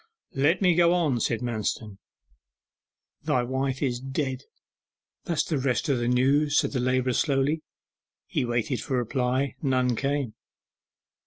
'Let me go on,' said Manston. 'Thy wife is dead; that's the rest o' the news,' said the labourer slowly. He waited for a reply; none came.